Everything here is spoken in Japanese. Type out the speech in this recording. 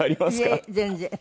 いえ全然。